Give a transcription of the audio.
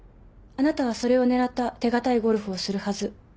あなたはそれを狙った手堅いゴルフをするはず。